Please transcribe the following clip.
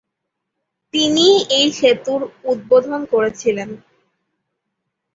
তিনিই এই সেতুর উদ্বোধন করেছিলেন।